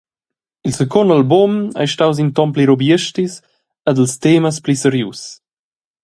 Il secund album ei staus in ton pli rubiestis ed ils temas pli serius.